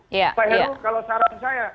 pak heru kalau saran saya